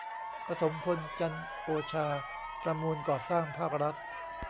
ปฐมพล จันทร์โอชา ประมูลก่อสร้างภาครัฐ